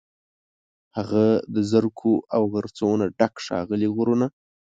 هغه د زرکو، او غرڅو، نه ډک، ښاغلي غرونه